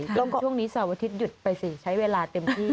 ช่วงนี้สวทธิศหยุดไปสิใช้เวลาเต็มที่